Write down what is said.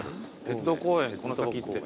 「鉄道公園この先」って。